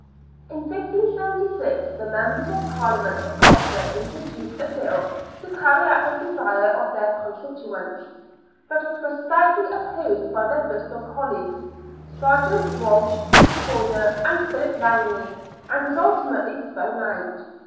In 1576 the Members of Parhament for Gloucester introduced a Bill to carry out the desire of their constituents, but it was stoutly opposed by their Bristol colleagues, Serjeant Walsh, Recorder, and Philip Langley, and was ultimately thrown out.